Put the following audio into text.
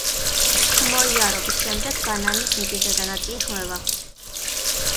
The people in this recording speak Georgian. მსხმოიარობის შემდეგ ბანანის მიწისზედა ნაწილი ხმება.